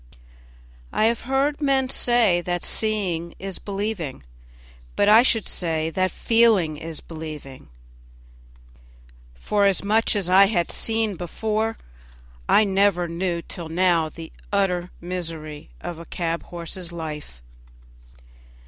I have heard men say that seeing is believing; but I should say that feeling is believing; for much as I had seen before, I never knew till now the utter misery of a cab horse's life.